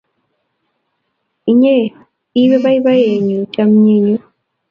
Inye ii boiboiyenyu chamyenyu